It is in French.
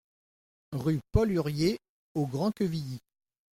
Rue Paul Hurier au Grand-Quevilly